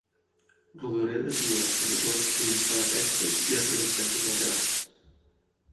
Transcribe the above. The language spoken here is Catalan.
Rodoreda juga, sobretot, en els paratextos i altres aspectes laterals.